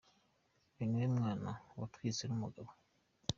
Uyu ni we mwana watwiswe n’umugabo.